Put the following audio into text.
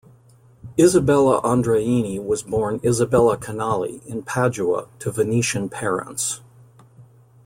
Isabella Andreini was born Isabella Canali in Padua, to Venetian parents.